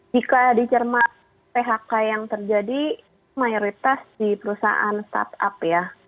jika dicermat phk yang terjadi mayoritas di perusahaan startup ya